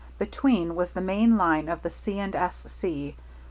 Between was the main line of the C. & S.